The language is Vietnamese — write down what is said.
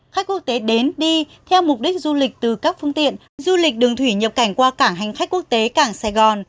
khách quốc tế đến đi theo mục đích du lịch từ các phương tiện du lịch đường thủy nhập cảnh qua cảng hành khách quốc tế cảng sài gòn